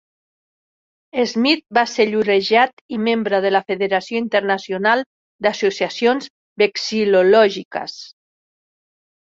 Smith va ser llorejat i membre de la Federació Internacional d'Associacions Vexil·lològiques.